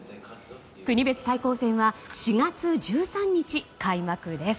国別対抗戦は４月１３日開幕です。